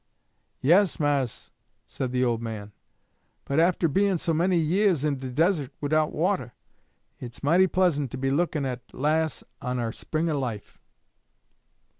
'Yes, Mars,' said the old man, 'but after bein' so many yeahs in de desert widout water, it's mighty pleasant to be lookin' at las' on our spring of life.